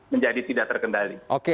menjadi tidak terkendali